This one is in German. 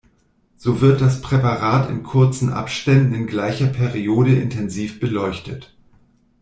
So wird das Präparat in kurzen Abständen in gleicher Periode intensiv beleuchtet.